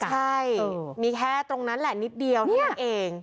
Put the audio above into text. ใช่มีแค่ตรงนั้นแหละนิดเดียวเท่านั้นเอง